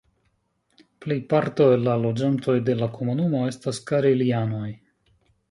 Plejparto el la loĝantoj de la komunumo estas karelianoj.